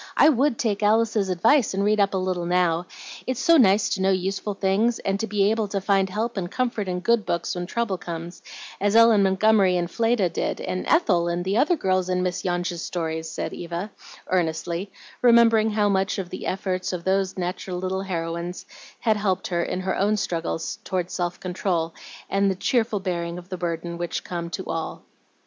I WOULD take Alice's advice and read up a little now; it's so nice to know useful things, and be able to find help and comfort in good books when trouble comes, as Ellen Montgomery and Fleda did, and Ethel, and the other girls in Miss Yonge's stories," said Eva, earnestly, remembering how much the efforts of those natural little heroines had helped her in her own struggles tor self control and the cheerful bearing of the burdens which come to all.